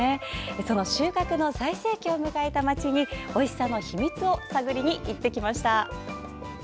その収穫の最盛期を迎えた街においしさの秘密を探りに行ってきました。